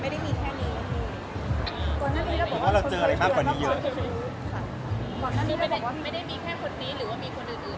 ไม่ได้มีแค่คนนี้หรือว่ามีคนอื่นอีก